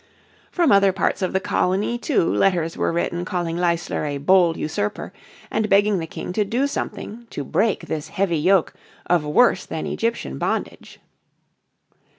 From other parts of the colony too letters were written calling Leisler a bold usurper, and begging the King to do something "to break this heavy yoke of worse than Egyptian bondage."